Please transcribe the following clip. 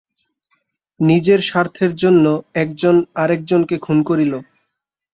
নিজের স্বার্থের জন্য একজন আর একজনকে খুন করিল।